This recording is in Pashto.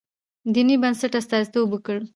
دیني بنسټ استازیتوب وکړي.